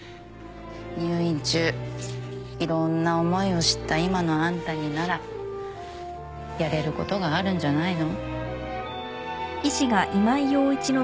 入院中いろんな思いを知った今のあんたにならやれることがあるんじゃないの？